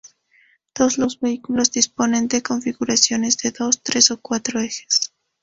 Todos los vehículos disponen de configuraciones de dos, tres o cuatro ejes.